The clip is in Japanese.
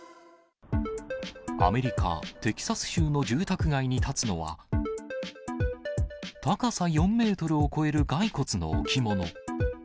アメリカ・テキサス州の住宅街に立つのは、高さ４メートルを超える骸骨の置物。